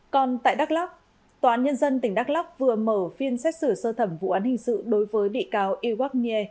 còn tại đắk lắk tòa án nhân dân tỉnh đắk lắk vừa mở phiên xét xử sơ thẩm vụ án hình sự đối với địa cao iwak nye